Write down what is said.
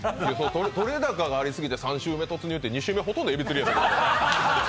撮れ高ありすぎて３週目突入って、２週目ほとんどえび釣りやった。